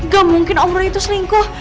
gak mungkin om roy itu selingkuh